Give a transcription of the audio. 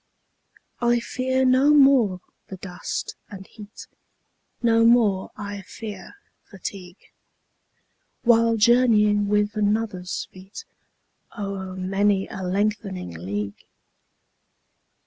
I fear no more the dust and heat, 25 No more I fear fatigue, While journeying with another's feet O'er many a lengthening league.